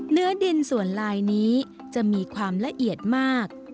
เนื้อดินส่วนลายนี้จะมีความละเอียดมาก